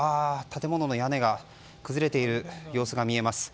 建物の屋根が崩れている様子が見えます。